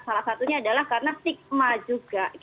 salah satunya adalah karena stigma juga